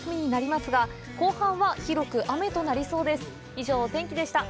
以上、お天気でした。